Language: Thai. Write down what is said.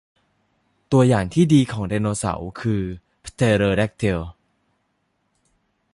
ตัวอย่างที่ดีของไดโนเสาร์คือพเตเรอแดกติล